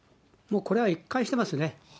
もうこれは一貫してますね。